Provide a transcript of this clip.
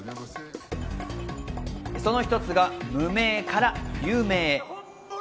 その一つが無名から有名へ。